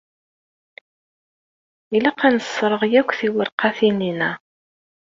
Ilaq ad nesserɣ akk tiwerqatin-a.